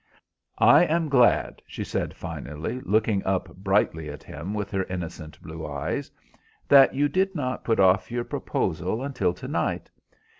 "I am glad," she said finally, looking up brightly at him with her innocent blue eyes, "that you did not put off your proposal until to night.